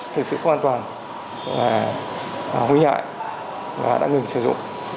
thực sự không an toàn nguy hại và đã ngừng sử dụng